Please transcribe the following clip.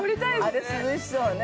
◆あれ涼しそうね。